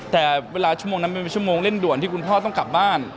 แต่เวลาชั่วโมงนั้นเป็นชั่วโมงเร่งด่วนที่คุณพ่อต้องกลับบ้าน